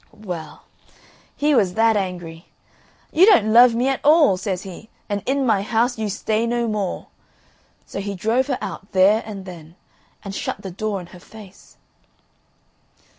Well, he was that angry. "You don't love me at all," says he, "and in my house you stay no more." So he drove her out there and then, and shut the door in her face.